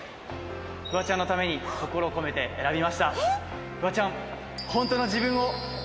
フワちゃんのために心を込めて選びました。